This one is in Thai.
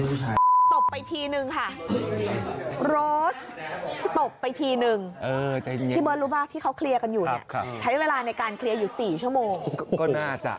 โรสตบไปทีหนึ่งที่เบิ้ลรู้ป่ะที่เขาเคลียร์กันอยู่เนี่ยใช้เวลาในการเคลียร์อยู่๔ชั่วโมง